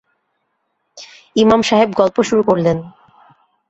ইমাম সাহেব গল্প শুরু করলেন।